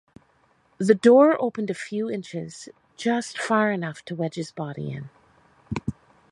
The door opened a few inches, just far enough to wedge his body in.